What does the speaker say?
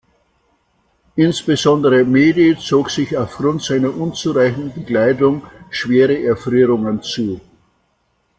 Insbesondere Mehdi zog sich aufgrund seiner unzureichenden Bekleidung schwere Erfrierungen zu.